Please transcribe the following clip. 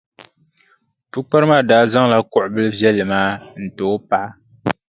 Pukpara maa daa zaŋla kuɣʼ bilʼ viɛlli maa n-ti o paɣa.